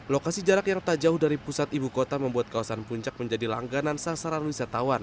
lokasi jarak yang tak jauh dari pusat ibu kota membuat kawasan puncak menjadi langganan sasaran wisatawan